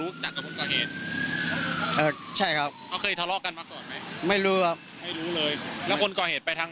เป็นผู้เจ็บหรอ